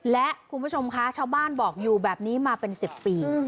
และคุณผู้ชมคะชาวบ้านบอกอยู่แบบนี้มาเป็น๑๐ปี